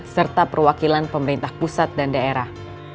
serta perwakilan pemerintah pusat dan daerah